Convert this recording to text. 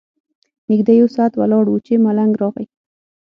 نږدې یو ساعت ولاړ وو چې ملنګ راغی.